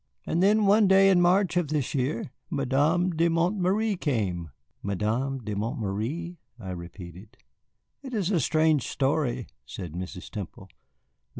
And then, one day in March of this year, Madame de Montméry came." "Madame de Montméry?" I repeated. "It is a strange story," said Mrs. Temple.